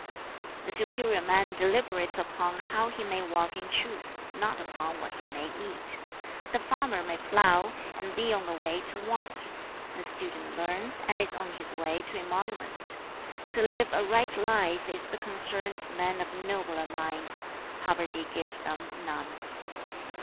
"The superior man deliberates upon how he may walk in truth, not upon what he may eat. The farmer may plough, and be on the way to want: the student learns, and is on his way to emolument. To live a right life is the concern of men of nobler minds: poverty gives them none.